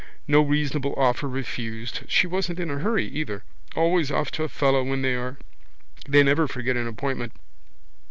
No reasonable offer refused. She wasn't in a hurry either. Always off to a fellow when they are. They never forget an appointment.